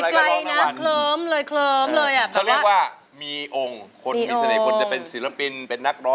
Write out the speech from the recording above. จากวันนี้เป็นต้นไข่นะครับ